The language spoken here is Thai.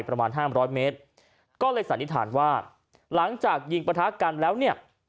ประมาณห้ามร้อยเมตรก็เลยสันนิษฐานว่าหลังจากยิงประทะกันแล้วเนี่ย